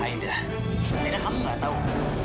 aida aida kamu nggak tahu kan